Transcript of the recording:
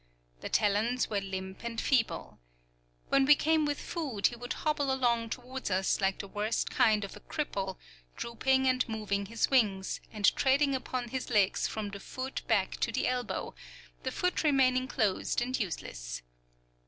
The talons were limp and feeble. When we came with food, he would hobble along toward us like the worst kind of a cripple, drooping and moving his wings, and treading upon his legs from the foot back to the elbow, the foot remaining closed and useless.